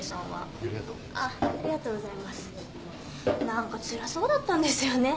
何かつらそうだったんですよね。